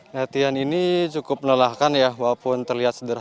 nah atien ini cukup menolakan ya walaupun terlihat sederhana